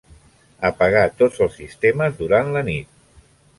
Apagar tots els sistemes durant la nit.